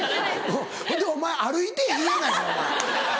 ほんでお前歩いてへんやないかお前。